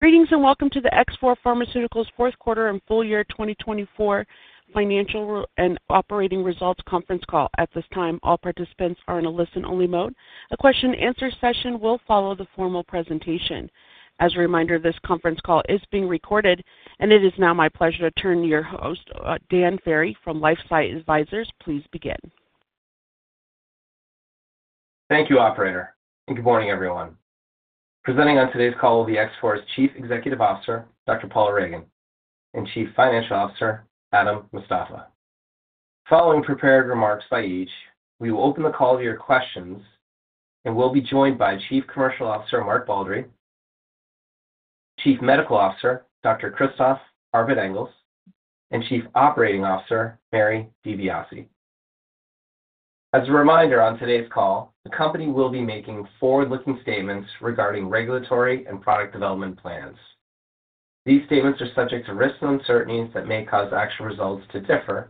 Greetings and welcome to the X4 Pharmaceuticals' fourth quarter and full year 2024 financial and operating results conference call. At this time, all participants are in a listen-only mode. A question-and-answer session will follow the formal presentation. As a reminder, this conference call is being recorded, and it is now my pleasure to turn to your host, Dan Ferry, from LifeSci Advisors. Please begin. Thank you, Operator. Good morning, everyone. Presenting on today's call will be X4's Chief Executive Officer, Dr. Paula Ragan, and Chief Financial Officer, Adam Mostafa. Following prepared remarks by each, we will open the call to your questions, and we will be joined by Chief Commercial Officer, Mark Baldry, Chief Medical Officer, Dr. Christophe Arbet-Engels, and Chief Operating Officer, Mary DiBiase. As a reminder, on today's call, the company will be making forward-looking statements regarding regulatory and product development plans. These statements are subject to risks and uncertainties that may cause actual results to differ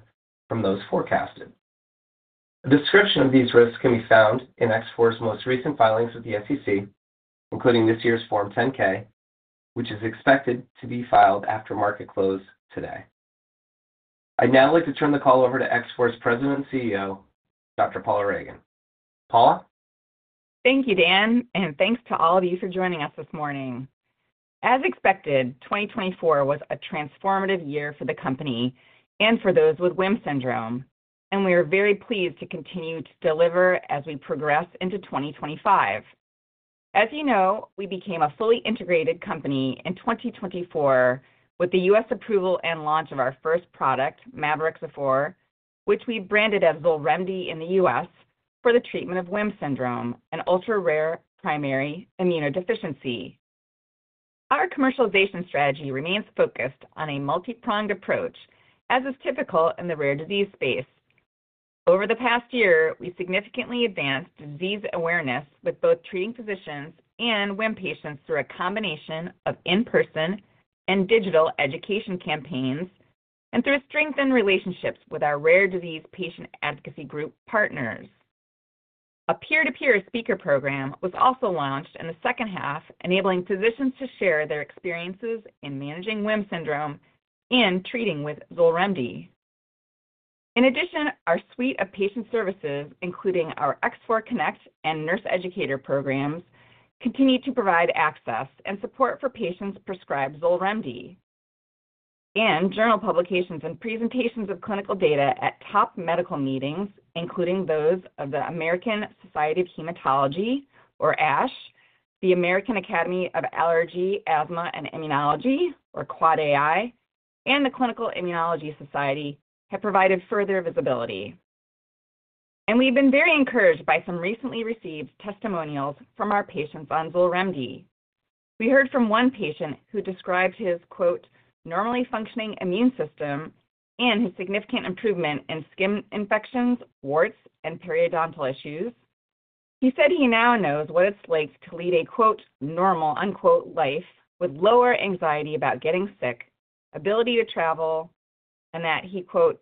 from those forecasted. A description of these risks can be found in X4's most recent filings with the SEC, including this year's Form 10-K, which is expected to be filed after market close today. I would now like to turn the call over to X4's President and CEO, Dr. Paula Ragan. Paula? Thank you, Dan, and thanks to all of you for joining us this morning. As expected, 2024 was a transformative year for the company and for those with WHIM syndrome, and we are very pleased to continue to deliver as we progress into 2025. As you know, we became a fully integrated company in 2024 with the U.S. approval and launch of our first product, mavorixafor, which we branded as XOLREMDI in the U.S. for the treatment of WHIM syndrome, an ultra-rare primary immunodeficiency. Our commercialization strategy remains focused on a multi-pronged approach, as is typical in the rare disease space. Over the past year, we significantly advanced disease awareness with both treating physicians and WHIM patients through a combination of in-person and digital education campaigns and through strengthened relationships with our rare disease patient advocacy group partners. A peer-to-peer speaker program was also launched in the second half, enabling physicians to share their experiences in managing WHIM syndrome and treating with XOLREMDI. In addition, our suite of patient services, including our X4Connect and Nurse Educator programs, continue to provide access and support for patients prescribed XOLREMDI. Journal publications and presentations of clinical data at top medical meetings, including those of the American Society of Hematology, or ASH, the American Academy of Allergy, Asthma, and Immunology, or AAAAI, and the Clinical Immunology Society, have provided further visibility. We have been very encouraged by some recently received testimonials from our patients on XOLREMDI. We heard from one patient who described his, quote, "normally functioning immune system" and his significant improvement in skin infections, warts, and periodontal issues. He said he now knows what it's like to lead a, quote, "normal" life with lower anxiety about getting sick, ability to travel, and that he, quote,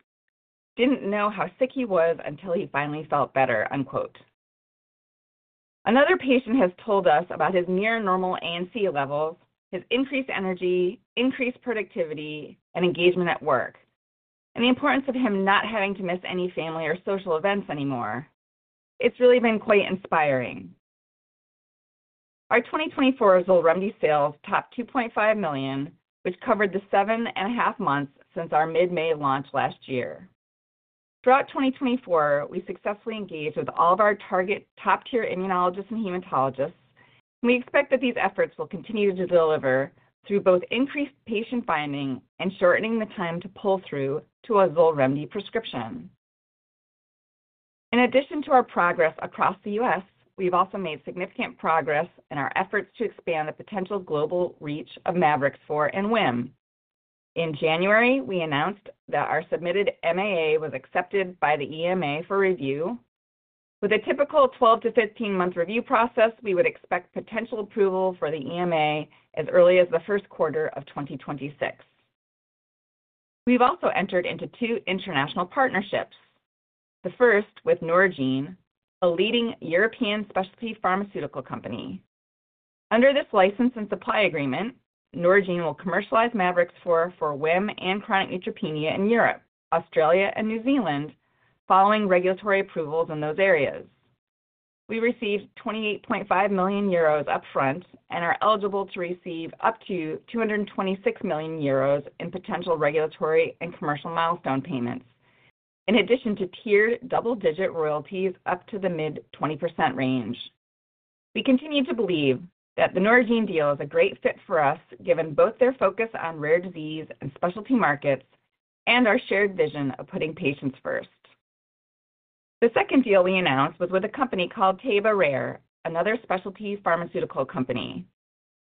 "didn't know how sick he was until he finally felt better," unquote. Another patient has told us about his near-normal ANC levels, his increased energy, increased productivity, and engagement at work, and the importance of him not having to miss any family or social events anymore. It's really been quite inspiring. Our 2024 XOLREMDI sales topped $2.5 million, which covered the seven and a half months since our mid-May launch last year. Throughout 2024, we successfully engaged with all of our target top-tier immunologists and hematologists, and we expect that these efforts will continue to deliver through both increased patient finding and shortening the time to pull through to a XOLREMDI prescription. In addition to our progress across the U.S., we've also made significant progress in our efforts to expand the potential global reach of mavorixafor and WHIM. In January, we announced that our submitted MAA was accepted by the EMA for review. With a typical 12 month-15 month review process, we would expect potential approval from the EMA as early as the first quarter of 2026. We've also entered into two international partnerships, the first with Norgine, a leading European specialty pharmaceutical company. Under this license and supply agreement, Norgine will commercialize mavorixafor for WHIM and chronic neutropenia in Europe, Australia, and New Zealand, following regulatory approvals in those areas. We received 28.5 million euros upfront and are eligible to receive up to 226 million euros in potential regulatory and commercial milestone payments, in addition to tiered double-digit royalties up to the mid-20% range. We continue to believe that the Norgine deal is a great fit for us, given both their focus on rare disease and specialty markets and our shared vision of putting patients first. The second deal we announced was with a company called taiba rare, another specialty pharmaceutical company.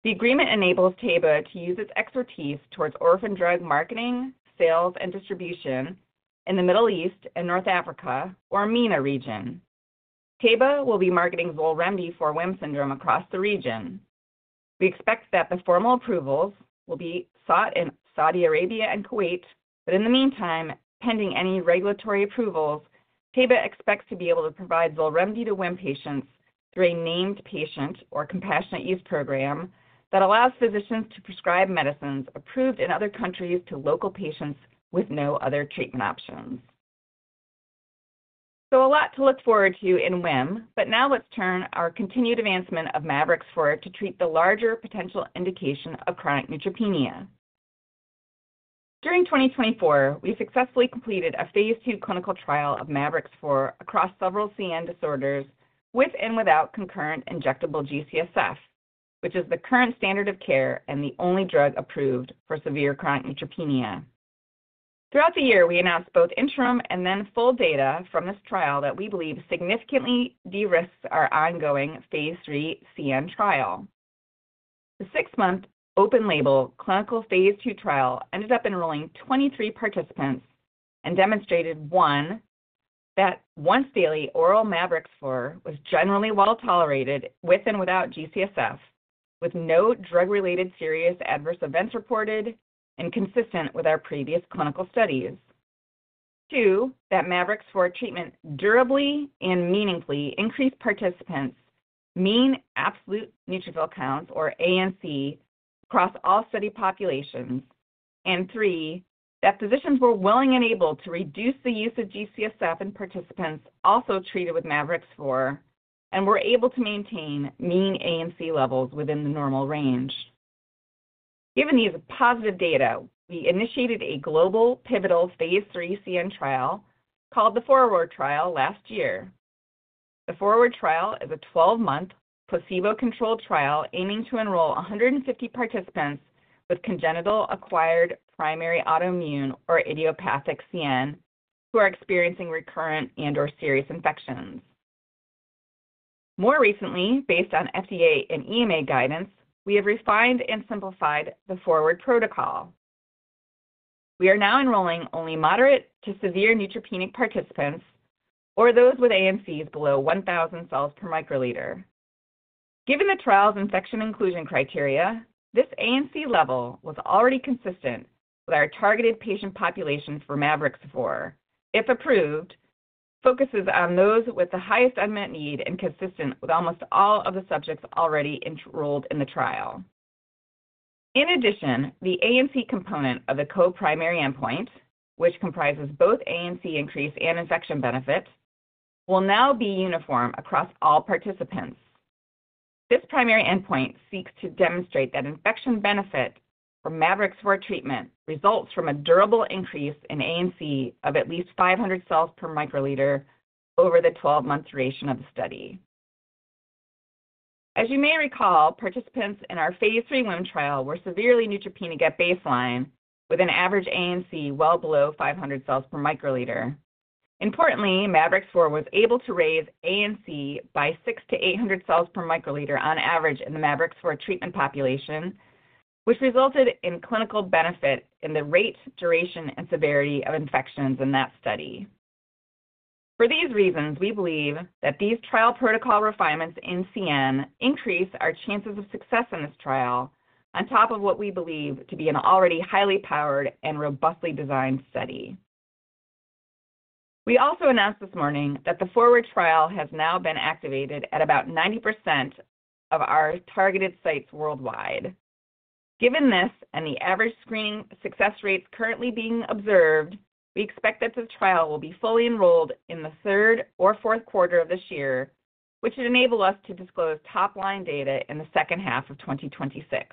The agreement enables taiba to use its expertise towards orphan drug marketing, sales, and distribution in the Middle East and North Africa, or MENA region. taiba will be marketing XOLREMDI for WHIM syndrome across the region. We expect that the formal approvals will be sought in Saudi Arabia and Kuwait, but in the meantime, pending any regulatory approvals, taiba expects to be able to provide XOLREMDI to WHIM patients through a named patient or compassionate use program that allows physicians to prescribe medicines approved in other countries to local patients with no other treatment options. A lot to look forward to in WHIM, but now let's turn our continued advancement of mavorixafor to treat the larger potential indication of chronic neutropenia. During 2024, we successfully completed a Phase II clinical trial of mavorixafor across several CN disorders with and without concurrent injectable G-CSF, which is the current standard of care and the only drug approved for severe chronic neutropenia. Throughout the year, we announced both interim and then full data from this trial that we believe significantly de-risked our ongoing Phase III CN trial. The six-month open-label clinical Phase II trial ended up enrolling 23 participants and demonstrated, one, that once daily oral mavorixafor was generally well tolerated with and without G-CSF, with no drug-related serious adverse events reported and consistent with our previous clinical studies; two, that mavorixafor treatment durably and meaningfully increased participants' mean absolute neutrophil counts, or ANC, across all study populations; and three, that physicians were willing and able to reduce the use of G-CSF in participants also treated with mavorixafor and were able to maintain mean ANC levels within the normal range. Given these positive data, we initiated a global pivotal Phase III CN trial called the 4WARD Trial last year. The 4WARD Trial is a 12-month placebo-controlled trial aiming to enroll 150 participants with congenital, acquired, primary autoimmune, or idiopathic CN who are experiencing recurrent and/or serious infections. More recently, based on FDA and EMA guidance, we have refined and simplified the 4WARD Protocol. We are now enrolling only moderate to severe neutropenic participants or those with ANCs below 1,000 cells/µL. Given the trial's infection inclusion criteria, this ANC level was already consistent with our targeted patient population for mavorixafor. If approved, it focuses on those with the highest unmet need and consistent with almost all of the subjects already enrolled in the trial. In addition, the ANC component of the co-primary endpoint, which comprises both ANC increase and infection benefit, will now be uniform across all participants. This primary endpoint seeks to demonstrate that infection benefit for mavorixafor treatment results from a durable increase in ANC of at least 500 cells/µL over the 12-month duration of the study. As you may recall, participants in our Phase III WHIM trial were severely neutropenic at baseline, with an average ANC well below 500 cells/µL. Importantly, mavorixafor was able to raise ANC by 600 cells/µL-800 cells/µL on average in the mavorixafor treatment population, which resulted in clinical benefit in the rate, duration, and severity of infections in that study. For these reasons, we believe that these trial protocol refinements in CN increase our chances of success in this trial on top of what we believe to be an already highly powered and robustly designed study. We also announced this morning that the 4WARD Trial has now been activated at about 90% of our targeted sites worldwide. Given this and the average screening success rates currently being observed, we expect that this trial will be fully enrolled in the third or fourth quarter of this year, which should enable us to disclose top-line data in the second half of 2026.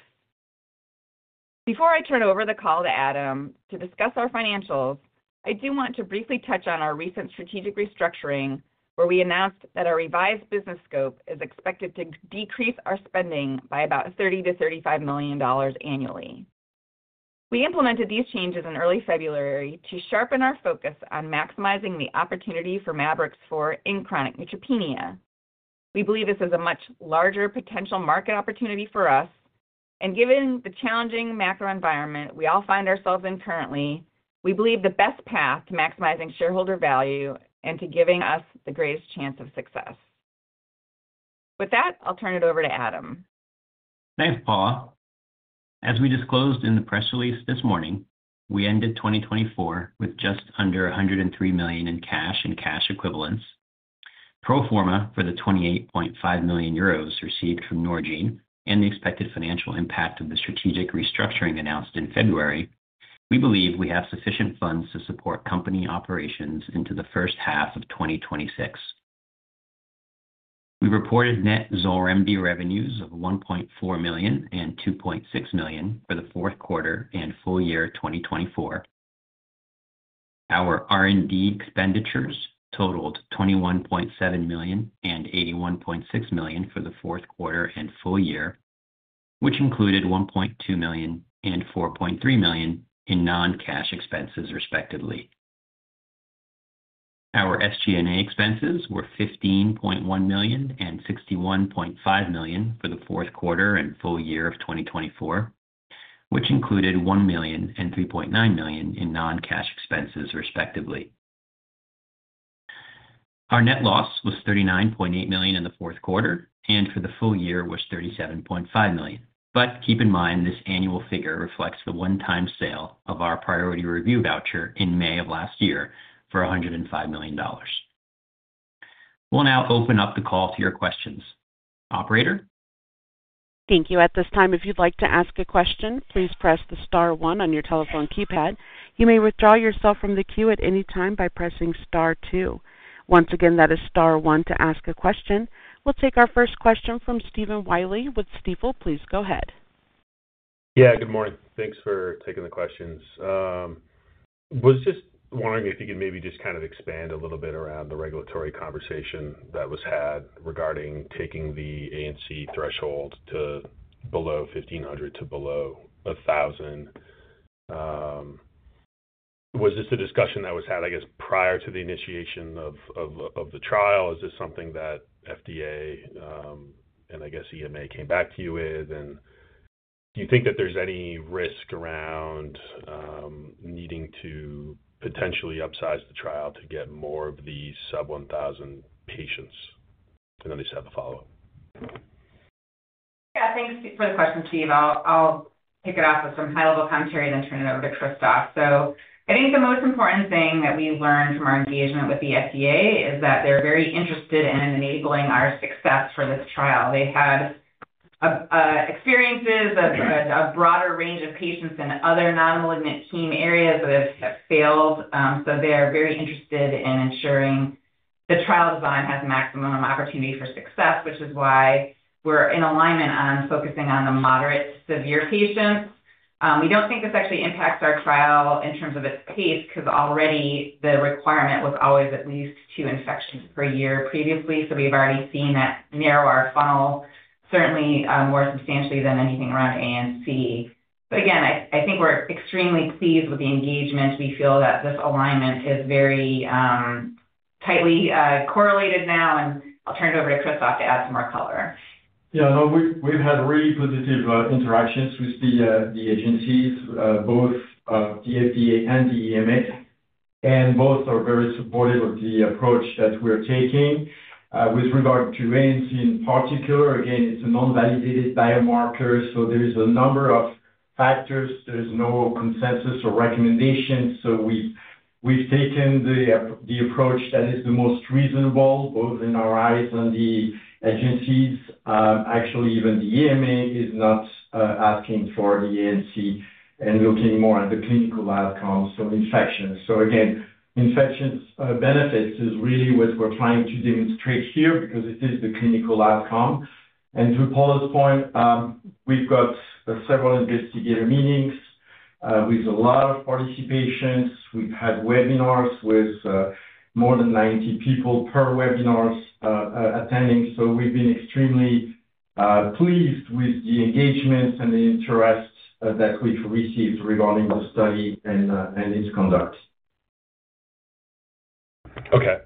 Before I turn over the call to Adam to discuss our financials, I do want to briefly touch on our recent strategic restructuring, where we announced that our revised business scope is expected to decrease our spending by about $30 million-$35 million annually. We implemented these changes in early February to sharpen our focus on maximizing the opportunity for mavorixafor in chronic neutropenia. We believe this is a much larger potential market opportunity for us, and given the challenging macro environment we all find ourselves in currently, we believe the best path to maximizing shareholder value and to giving us the greatest chance of success. With that, I'll turn it over to Adam. Thanks, Paula. As we disclosed in the press release this morning, we ended 2024 with just under $103 million in cash and cash equivalents. Pro forma for the 28.5 million euros received from Norgine and the expected financial impact of the strategic restructuring announced in February, we believe we have sufficient funds to support company operations into the first half of 2026. We reported net XOLREMDI revenues of $1.4 million and $2.6 million for the fourth quarter and full year 2024. Our R&D expenditures totaled $21.7 million and $81.6 million for the fourth quarter and full year, which included $1.2 million and $4.3 million in non-cash expenses, respectively. Our SG&A expenses were $15.1 million and $61.5 million for the fourth quarter and full year of 2024, which included $1 million and $3.9 million in non-cash expenses, respectively. Our net loss was $39.8 million in the fourth quarter, and for the full year was $37.5 million. Keep in mind this annual figure reflects the one-time sale of our priority review voucher in May of last year for $105 million. We'll now open up the call to your questions. Operator? Thank you. At this time, if you'd like to ask a question, please press the star one on your telephone keypad. You may withdraw yourself from the queue at any time by pressing star two. Once again, that is star one to ask a question. We'll take our first question from Stephen Wiley with Stifel. Please go ahead. Yeah, good morning. Thanks for taking the questions. I was just wondering if you could maybe just kind of expand a little bit around the regulatory conversation that was had regarding taking the ANC threshold to below 1,500 to below 1,000. Was this a discussion that was had, I guess, prior to the initiation of the trial? Is this something that FDA and, I guess, EMA came back to you with? Do you think that there's any risk around needing to potentially upsize the trial to get more of the sub-1,000 patients? I just have a follow-up. Yeah, thanks for the question, Steve. I'll pick it off with some high-level commentary and then turn it over to Christophe. I think the most important thing that we learned from our engagement with the FDA is that they're very interested in enabling our success for this trial. They've had experiences of a broader range of patients in other non-malignant heme areas that have failed. They're very interested in ensuring the trial design has maximum opportunity for success, which is why we're in alignment on focusing on the moderate to severe patients. We don't think this actually impacts our trial in terms of its pace because already the requirement was always at least two infections per year previously. We've already seen that narrow our funnel certainly more substantially than anything around ANC. Again, I think we're extremely pleased with the engagement. We feel that this alignment is very tightly correlated now, and I'll turn it over to Christophe to add some more color. Yeah, no, we've had really positive interactions with the agencies, both the FDA and the EMA, and both are very supportive of the approach that we're taking. With regard to ANC in particular, again, it's a non-validated biomarker, so there is a number of factors. There's no consensus or recommendations. We've taken the approach that is the most reasonable, both in our eyes and the agencies. Actually, even the EMA is not asking for the ANC and looking more at the clinical outcomes, so infections. Infections benefits is really what we're trying to demonstrate here because it is the clinical outcome. To Paula's point, we've got several investigator meetings with a lot of participations. We've had webinars with more than 90 people per webinar attending. We've been extremely pleased with the engagements and the interest that we've received regarding the study and its conduct. Okay.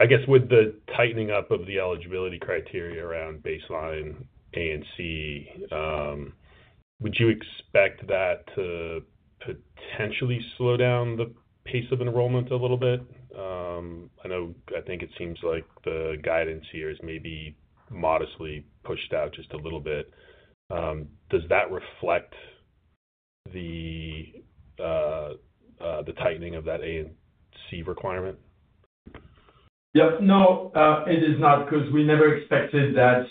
I guess with the tightening up of the eligibility criteria around baseline ANC, would you expect that to potentially slow down the pace of enrollment a little bit? I think it seems like the guidance here is maybe modestly pushed out just a little bit. Does that reflect the tightening of that ANC requirement? No, it is not because we never expected that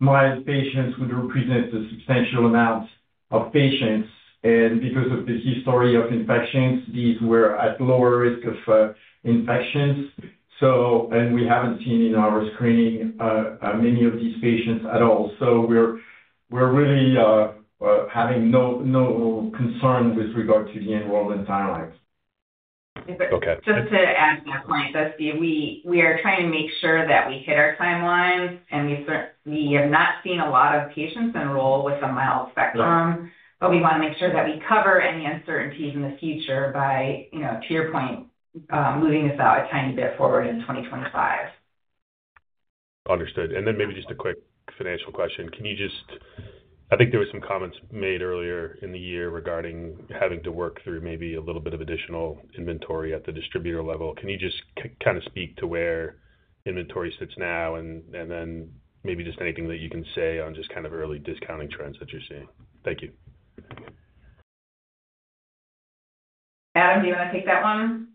mild patients would represent a substantial amount of patients. Because of the history of infections, these were at lower risk of infections. We have not seen in our screening many of these patients at all. We are really having no concern with regard to the enrollment timelines. Just to add to my point, we are trying to make sure that we hit our timelines, and we have not seen a lot of patients enroll with a mild spectrum, but we want to make sure that we cover any uncertainties in the future by, to your point, moving this out a tiny bit forward in 2025. Understood. Maybe just a quick financial question. I think there were some comments made earlier in the year regarding having to work through maybe a little bit of additional inventory at the distributor level. Can you just kind of speak to where inventory sits now and then maybe just anything that you can say on just kind of early discounting trends that you're seeing? Thank you. Adam, do you want to take that one?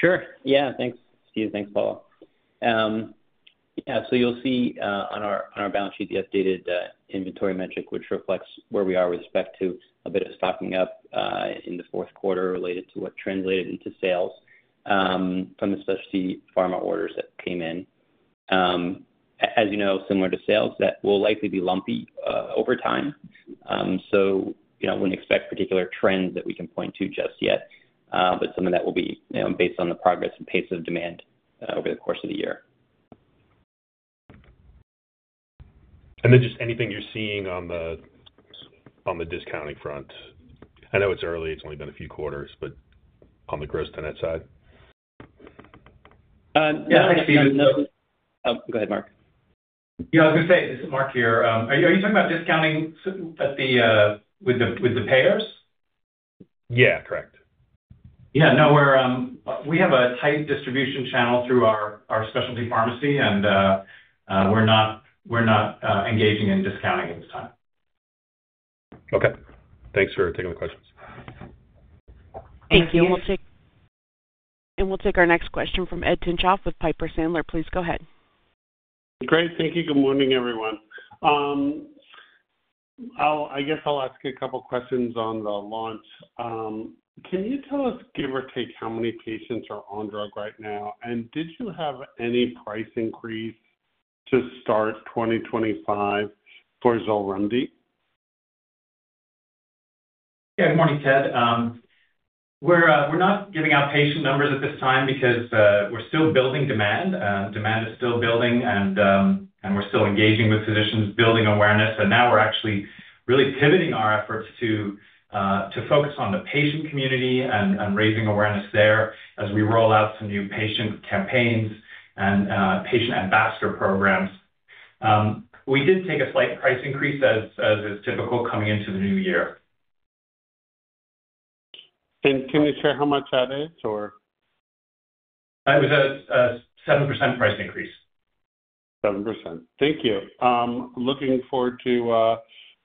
Sure. Yeah, thanks, Steve. Thanks, Paula. Yeah, you'll see on our balance sheet the updated inventory metric, which reflects where we are with respect to a bit of stocking up in the fourth quarter related to what translated into sales from the specialty pharma orders that came in. As you know, similar to sales, that will likely be lumpy over time. We would not expect particular trends that we can point to just yet, but some of that will be based on the progress and pace of demand over the course of the year. Just anything you're seeing on the discounting front? I know it's early. It's only been a few quarters, but on the gross-to-net side? Yeah, Steve. Oh, go ahead, Mark. Yeah, I was going to say, this is Mark here. Are you talking about discounting with the payers? Yeah, correct. Yeah, no, we have a tight distribution channel through our specialty pharmacy, and we're not engaging in discounting at this time. Okay. Thanks for taking the questions. Thank you. We will take our next question from Ted Tenthoff with Piper Sandler. Please go ahead. Great. Thank you. Good morning, everyone. I guess I'll ask you a couple of questions on the launch. Can you tell us, give or take, how many patients are on drug right now? Did you have any price increase to start 2025 for XOLREMDI? Yeah, good morning, Ted. We're not giving out patient numbers at this time because we're still building demand. Demand is still building, and we're still engaging with physicians, building awareness. Now we're actually really pivoting our efforts to focus on the patient community and raising awareness there as we roll out some new patient campaigns and patient ambassador programs. We did take a slight price increase, as is typical, coming into the new year. Can you share how much that is, or? It was a 7% price increase. 7%. Thank you. Looking forward to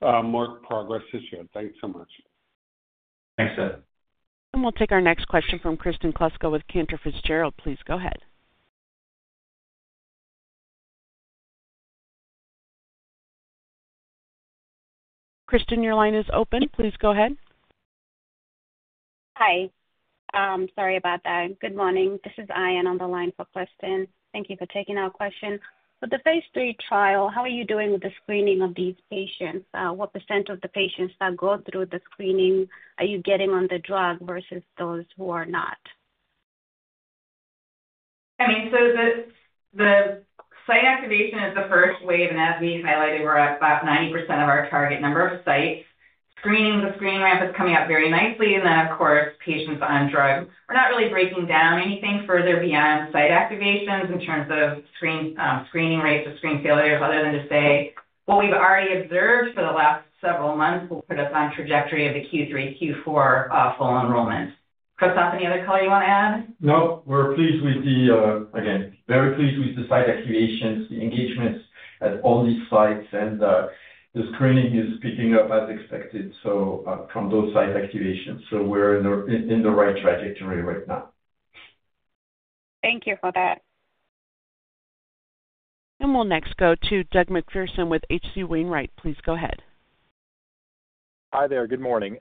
more progress this year. Thanks so much. Thanks, Ted. We will take our next question from Kristen Kluska with Cantor Fitzgerald. Please go ahead. Kristen, your line is open. Please go ahead. Hi. Sorry about that. Good morning. This is Ayan on the line for Kristen. Thank you for taking our question. For the Phase III trial, how are you doing with the screening of these patients? What percent of the patients that go through the screening are you getting on the drug versus those who are not? I mean, the site activation is the first wave, and as we highlighted, we're at about 90% of our target number of sites. Screening, the screen ramp is coming up very nicely. And then, of course, patients on drug. We're not really breaking down anything further beyond site activations in terms of screening rates or screen failures, other than to say what we've already observed for the last several months will put us on trajectory of the Q3, Q4 full enrollment. Christophe, any other color you want to add? No, we're pleased with the, again, very pleased with the site activations, the engagements at all these sites, and the screening is picking up as expected from those site activations. We're in the right trajectory right now. Thank you for that. We'll next go to Doug MacPherson with H.C. Wainwright. Please go ahead. Hi there. Good morning.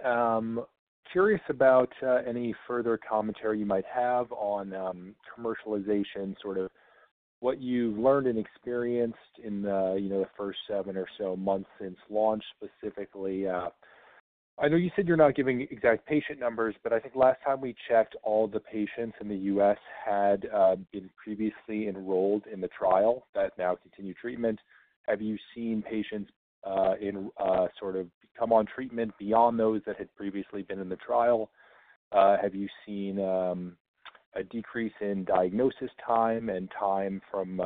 Curious about any further commentary you might have on commercialization, sort of what you've learned and experienced in the first seven or so months since launch specifically. I know you said you're not giving exact patient numbers, but I think last time we checked, all the patients in the U.S. had been previously enrolled in the trial that now continued treatment. Have you seen patients sort of become on treatment beyond those that had previously been in the trial? Have you seen a decrease in diagnosis time and time from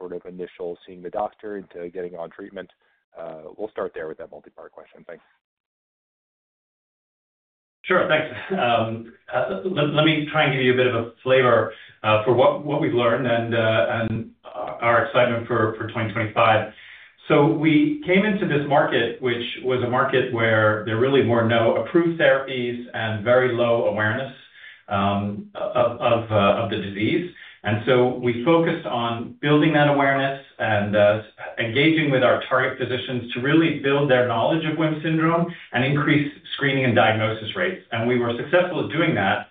sort of initial seeing the doctor into getting on treatment? We'll start there with that multi-part question. Thanks. Sure. Thanks. Let me try and give you a bit of a flavor for what we've learned and our excitement for 2025. We came into this market, which was a market where there really were no approved therapies and very low awareness of the disease. We focused on building that awareness and engaging with our target physicians to really build their knowledge of WHIM syndrome and increase screening and diagnosis rates. We were successful at doing that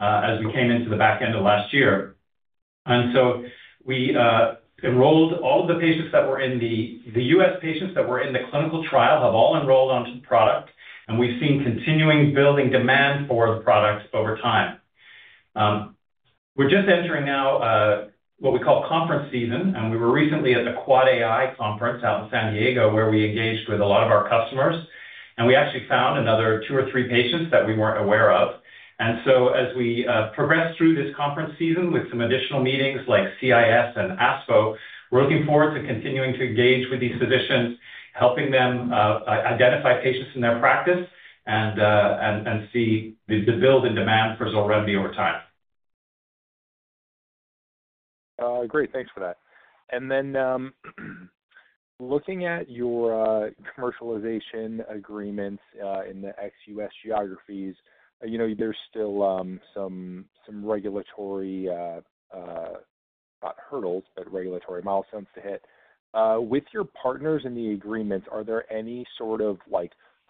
as we came into the back end of last year. We enrolled all of the patients that were in the U.S. patients that were in the clinical trial have all enrolled onto the product, and we've seen continuing building demand for the products over time. We're just entering now what we call conference season, and we were recently at the AAAAI conference out in San Diego where we engaged with a lot of our customers, and we actually found another two or three patients that we weren't aware of. As we progress through this conference season with some additional meetings like CIS and ASPHO, we're looking forward to continuing to engage with these physicians, helping them identify patients in their practice and see the build in demand for XOLREMDI over time. Great. Thanks for that. Looking at your commercialization agreements in the ex-U.S. geographies, there's still some regulatory, not hurdles, but regulatory milestones to hit. With your partners in the agreements, are there any sort of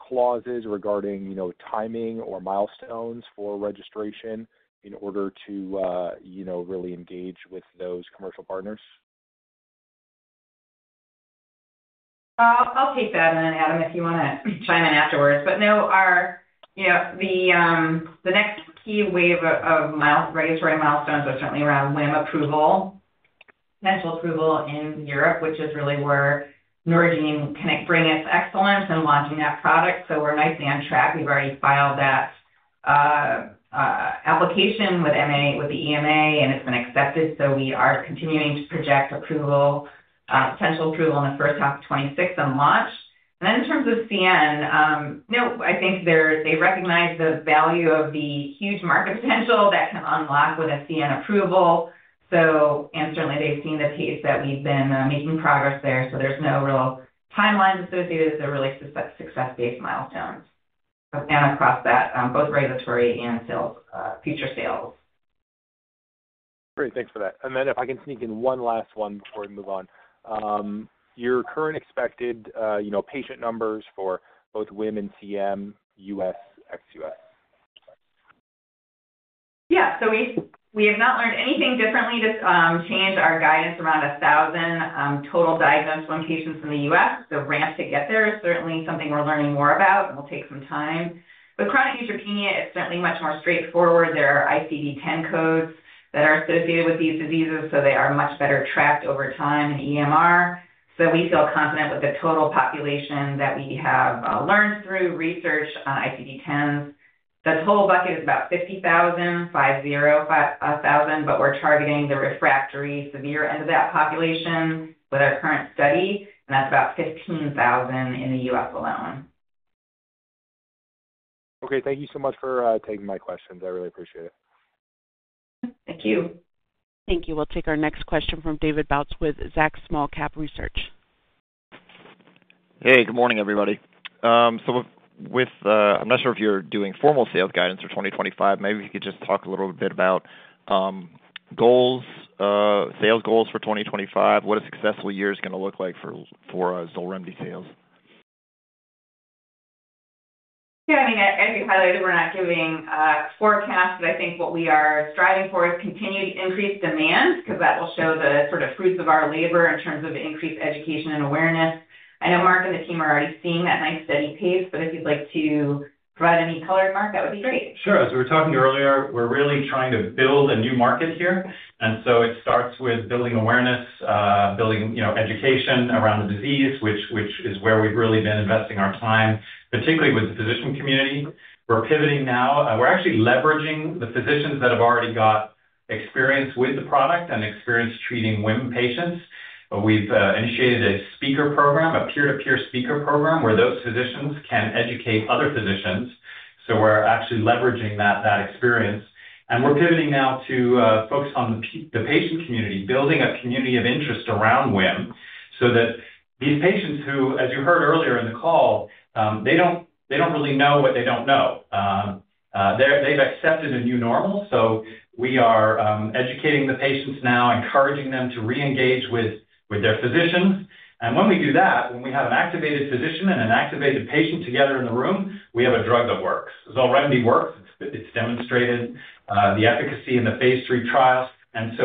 clauses regarding timing or milestones for registration in order to really engage with those commercial partners? I'll take that. Adam, if you want to chime in afterwards. No, the next key wave of regulatory milestones are certainly around WHIM approval, potential approval in Europe, which is really where Norgine can bring its excellence in launching that product. We're nicely on track. We've already filed that application with the EMA, and it's been accepted. We are continuing to project potential approval in the first half of 2026 and launch. In terms of CN, I think they recognize the value of the huge market potential that can unlock with a CN approval. Certainly, they've seen the pace that we've been making progress there. There's no real timelines associated. They're really success-based milestones and across that, both regulatory and future sales. Great. Thanks for that. If I can sneak in one last one before we move on, your current expected patient numbers for both WHIM and CN, U.S., ex-U.S.? Yeah. We have not learned anything differently to change our guidance around 1,000 total diagnosed WHIM patients in the U.S. The ramp to get there is certainly something we're learning more about, and will take some time. With chronic neutropenia, it's certainly much more straightforward. There are ICD-10 codes that are associated with these diseases, so they are much better tracked over time in EMR. We feel confident with the total population that we have learned through research on ICD-10s. The total bucket is about 50,000, 5-0,000, but we're targeting the refractory severe end of that population with our current study, and that's about 15,000 in the U.S. alone. Okay. Thank you so much for taking my questions. I really appreciate it. Thank you. Thank you. We'll take our next question from David Bautz with Zacks Small Cap Research. Hey, good morning, everybody. I'm not sure if you're doing formal sales guidance for 2025. Maybe if you could just talk a little bit about goals, sales goals for 2025, what a successful year is going to look like for XOLREMDI sales. Yeah. I mean, as you highlighted, we're not giving forecasts, but I think what we are striving for is continued increased demand because that will show the sort of fruits of our labor in terms of increased education and awareness. I know Mark and the team are already seeing that nice steady pace, but if you'd like to provide any color, Mark, that would be great. Sure. As we were talking earlier, we're really trying to build a new market here. It starts with building awareness, building education around the disease, which is where we've really been investing our time, particularly with the physician community. We're pivoting now. We're actually leveraging the physicians that have already got experience with the product and experience treating WHIM patients. We've initiated a speaker program, a peer-to-peer speaker program, where those physicians can educate other physicians. We're actually leveraging that experience. We're pivoting now to focus on the patient community, building a community of interest around WHIM so that these patients who, as you heard earlier in the call, they don't really know what they don't know. They've accepted a new normal. We are educating the patients now, encouraging them to re-engage with their physicians. When we do that, when we have an activated physician and an activated patient together in the room, we have a drug that works. XOLREMDI works. It's demonstrated the efficacy in the Phase III trials.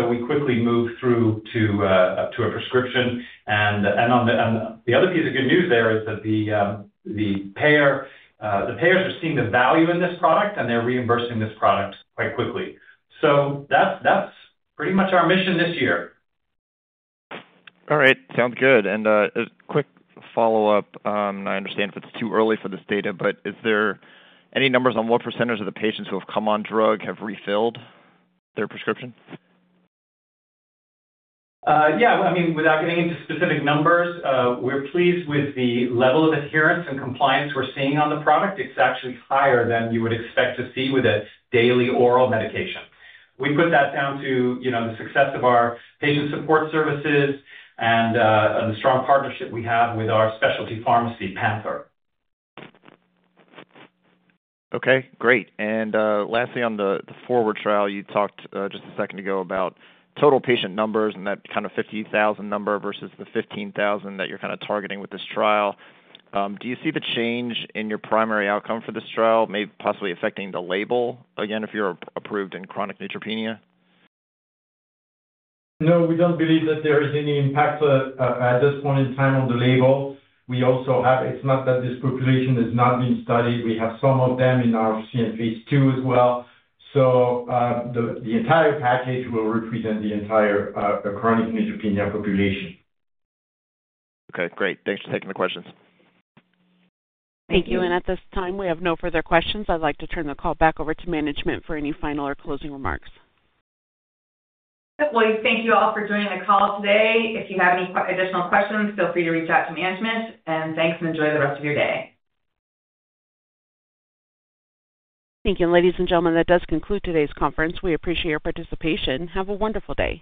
We quickly move through to a prescription. The other piece of good news there is that the payers are seeing the value in this product, and they're reimbursing this product quite quickly. That's pretty much our mission this year. All right. Sounds good. A quick follow-up. I understand if it's too early for this data, but is there any numbers on what percentage of the patients who have come on drug have refilled their prescription? Yeah. I mean, without getting into specific numbers, we're pleased with the level of adherence and compliance we're seeing on the product. It's actually higher than you would expect to see with a daily oral medication. We put that down to the success of our patient support services and the strong partnership we have with our specialty pharmacy, PANTHERx. Okay. Great. Lastly, on the 4WARD trial, you talked just a second ago about total patient numbers and that kind of 50,000 number versus the 15,000 that you're kind of targeting with this trial. Do you see the change in your primary outcome for this trial, possibly affecting the label again if you're approved in chronic neutropenia? No, we don't believe that there is any impact at this point in time on the label. We also have, it's not that this population has not been studied. We have some of them in our CN Phase II as well. So the entire package will represent the entire chronic neutropenia population. Okay. Great. Thanks for taking the questions. Thank you. At this time, we have no further questions. I'd like to turn the call back over to management for any final or closing remarks. Thank you all for joining the call today. If you have any additional questions, feel free to reach out to management. Thanks, and enjoy the rest of your day. Thank you. Ladies and gentlemen, that does conclude today's conference. We appreciate your participation. Have a wonderful day.